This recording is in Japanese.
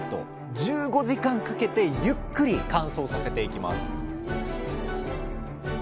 １５時間かけてゆっくり乾燥させていきます